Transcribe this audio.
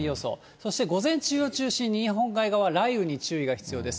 そして午前中を中心に日本海側、雷雨に注意が必要です。